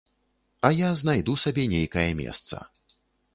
А я знайду сабе нейкае месца.